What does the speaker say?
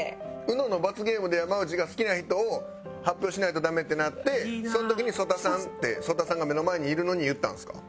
ＵＮＯの罰ゲームで山内が好きな人を発表しないとダメってなってその時に曽田さんって曽田さんが目の前にいるのに言ったんですか？